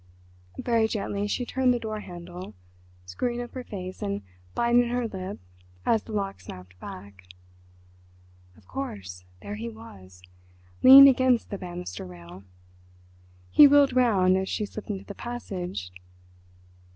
Very gently she turned the door handle, screwing up her face and biting her lip as the lock snapped back. Of course, there he was—leaning against the banister rail. He wheeled round as she slipped into the passage.